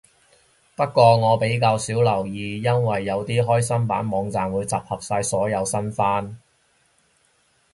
不過我比較少留意，因為有啲開心版網站會集合晒所有新番